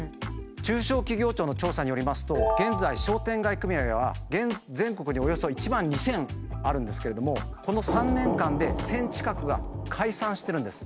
中小企業庁の調査によりますと現在商店街組合は全国におよそ１万２，０００あるんですけれどもこの３年間で１，０００近くが解散してるんです。